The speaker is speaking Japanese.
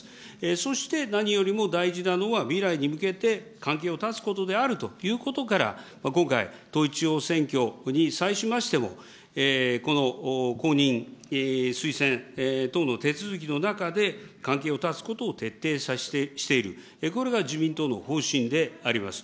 そして何よりも大事なのは、未来に向けて関係を断つことであるということから、今回、統一地方選挙に際しましても、この公認、推薦等の手続きの中で、関係を断つことを徹底している、これが自民党の方針であります。